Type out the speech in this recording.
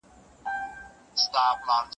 دولت د تولید د لوړوالي لامل کیږي.